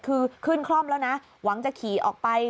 คือขึ้นคล่อมแล้วนะหวังจะขี่ออกไป